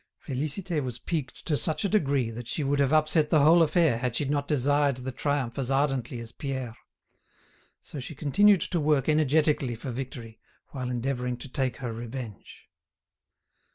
Félicité was piqued to such a degree that she would have upset the whole affair had she not desired the triumph as ardently as Pierre. So she continued to work energetically for victory, while endeavouring to take her revenge.